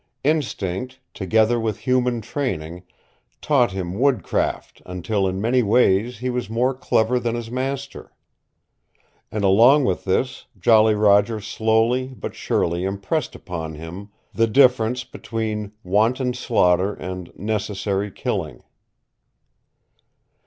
Instinct, together with human training, taught him woodcraft until in many ways he was more clever than his master. And along with this Jolly Roger slowly but surely impressed upon him the difference between wanton slaughter and necessary killing.